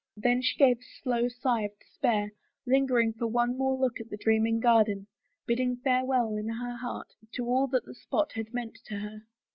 Then she gave a slow sigh of despair, lingering for one more look at the dreaming garden, bidding farewell, in her heart, to all that the spot had meant to her.